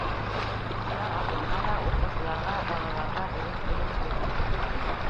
Уҡытыусылар алдында ла уҡыусыларға, балаларға дөрөҫ белем биреү бурысы тора.